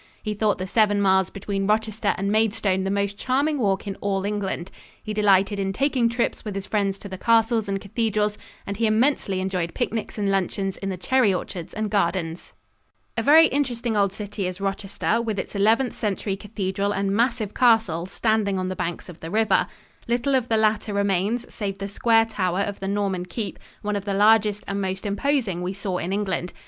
He thought the seven miles between Rochester and Maidstone the most charming walk in all England. He delighted in taking trips with his friends to the castles and cathedrals and he immensely enjoyed picnics and luncheons in the cherry orchards and gardens. A very interesting old city is Rochester, with its Eleventh Century cathedral and massive castle standing on the banks of the river. Little of the latter remains save the square tower of the Norman keep, one of the largest and most imposing we saw in England.